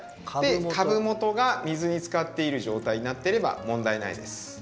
株元が水につかっている状態になってれば問題ないです。